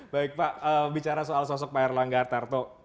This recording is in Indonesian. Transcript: baik pak bicara soal sosok pak erlangga artarto